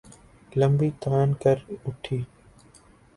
لمبی تان کر اُٹھی